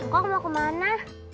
kok mau kemana